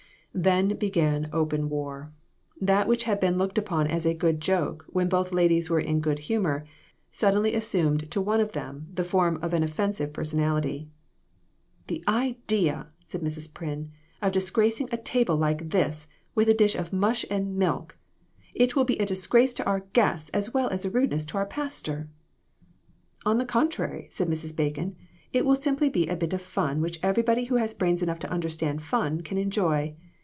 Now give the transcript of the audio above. Then began open war. That which had been looked upon as a good joke, when both ladies were in good humor, suddenly assumed to one of them the form of an offensive personality. "The idea," said Mrs. Pryn, "of disgracing a table like this with a dish of mush and milk ! It will be a disgrace to our guests as well as a rudeness to our pastor." "On the contrary," said Mrs. Bacon, "it will simply be a bit of fun which everybody who has brains enough to understand fun, can enjoy.